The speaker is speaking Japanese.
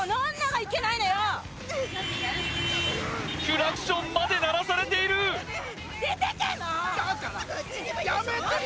クラクションまで鳴らされている出てけもう！